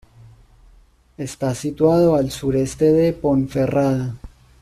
Está situado al sureste de Ponferrada.